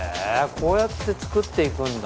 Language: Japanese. こうやって作っていくんだ